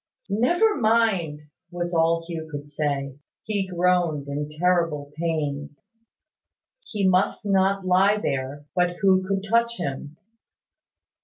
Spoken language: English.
"Never mind!" was all Hugh could say. He groaned in terrible pain. He must not lie there; but who could touch him?